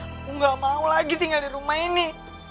aku nggak mau lagi tinggal di rumah ini